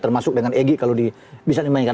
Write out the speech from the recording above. termasuk dengan egy kalau bisa dimainkan